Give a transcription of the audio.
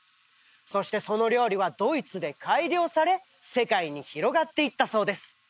そしてその料理はドイツで改良され世界に広がっていったそうです